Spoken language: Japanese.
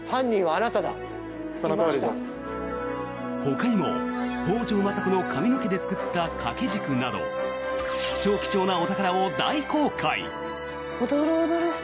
ほかにも、北条政子の髪の毛で作った掛け軸など超貴重なお宝を大公開！